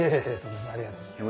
ありがとうございます。